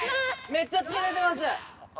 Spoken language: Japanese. めっちゃ血出てます